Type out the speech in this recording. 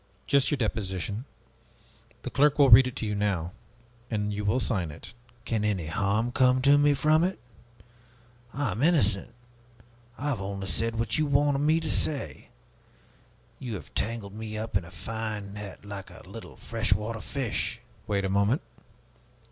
Just your deposition. The clerk will read it to you now, and you will sign it." "Can any harm come to me from it? I am innocent! I have only said what you wanted to make me say. You have tangled me up in a fine net, like a little fresh water fish!" "Wait a moment.